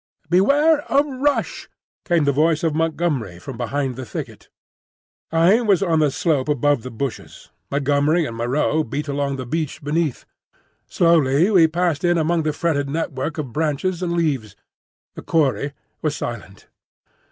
"Ware a rush!" came the voice of Montgomery from beyond the thicket. I was on the slope above the bushes; Montgomery and Moreau beat along the beach beneath. Slowly we pushed in among the fretted network of branches and leaves. The quarry was silent.